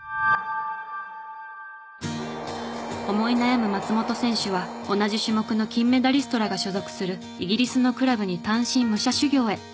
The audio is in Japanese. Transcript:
思い悩む松元選手は同じ種目の金メダリストらが所属するイギリスのクラブに単身武者修行へ。